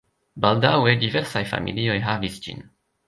Baldaŭe diversaj familioj havis ĝin.